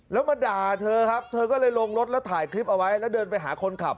แล้วมาด่าเธอครับเธอก็เลยลงรถแล้วถ่ายคลิปเอาไว้แล้วเดินไปหาคนขับ